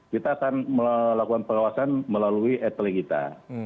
kita akan melakukan pengawasan melalui etele kita